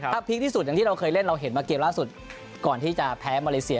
ถ้าพีคที่สุดอย่างที่เราเคยเล่นเราเห็นมาเกมล่าสุดก่อนที่จะแพ้มาเลเซีย